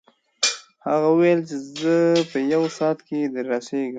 هغه وویل چې زه په یو ساعت کې دررسېږم.